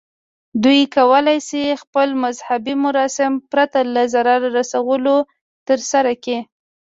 دوی کولی شي خپل مذهبي مراسم پرته له ضرر رسولو ترسره کړي.